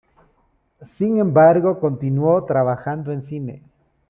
Sin embargo, continuó trabajando en cine.